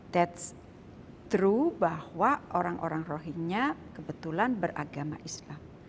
that's true bahwa orang orang rohinya kebetulan beragama islam